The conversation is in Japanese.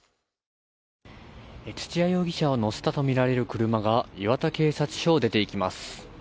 土屋容疑者を乗せたとみられる車が、磐田警察署を出ていきます。